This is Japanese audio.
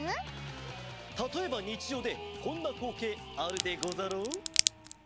たとえばにちじょうでこんなこうけいあるでござろう。